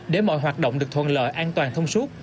để mọi hoạt động được thuận lợi an toàn thông suốt